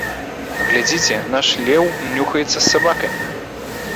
Глядзіце, наш леў нюхаецца з сабакамі.